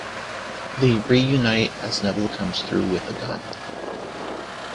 They reunite as Neville comes through with a gun.